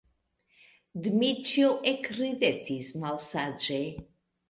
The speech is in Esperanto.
Dmiĉjo ekridetis malsaĝe.